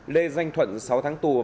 lê danh thuận sáu tháng tù